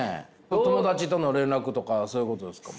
友達との連絡とかそういうことですか？